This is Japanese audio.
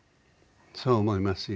そう思いますよ。